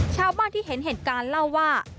ชาวบ้านที่เห็นเหตุการณ์เล่าว่า